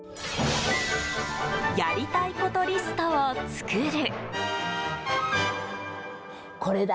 やりたいことリストを作る。